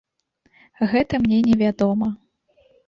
Гэта мне не вядома.